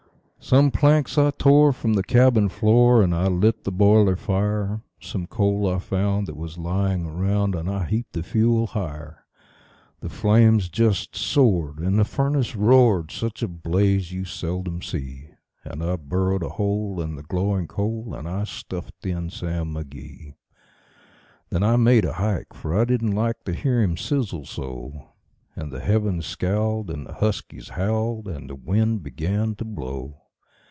Some planks I tore from the cabin floor, and I lit the boiler fire; Some coal I found that was lying around, and I heaped the fuel higher; The flames just soared, and the furnace roared such a blaze you seldom see; And I burrowed a hole in the glowing coal, and I stuffed in Sam McGee. Then I made a hike, for I didn't like to hear him sizzle so; And the heavens scowled, and the huskies howled, and the wind began to blow.